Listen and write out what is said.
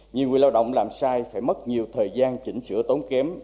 nhiều người lao động làm sai phải mất nhiều thời gian chỉnh sửa tốn kém